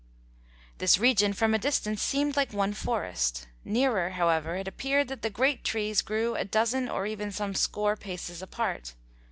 This region, from a distance, seemed like one forest; nearer, however, it appeared that the great trees grew a dozen or even some score paces apart.